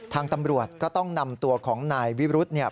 ทางตำรวจก็ต้องนำตัวของนายวิรุธเนี่ย